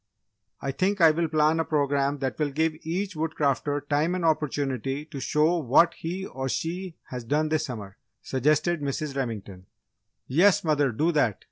"I think I will plan a programme that will give each Woodcrafter time and opportunity to show what he or she has done this summer," suggested Mrs. Remington. "Yes, mother, do that!"